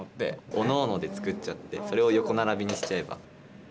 おのおので作っちゃってそれを横並びにしちゃえば。